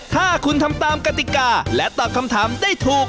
ถ้าคุณทำตามกติกาและตอบคำถามได้ถูก